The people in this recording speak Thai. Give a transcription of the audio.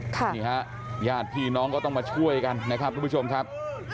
นี่ฮะญาติพี่น้องก็ต้องมาช่วยกันนะครับทุกผู้ชมครับ